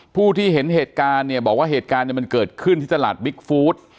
ผู้ที่เห็นเหตุการณ์เนี่ยบอกว่าเหตุการณ์มันเกิดขึ้นที่ตลาดบิ๊กฟู้ด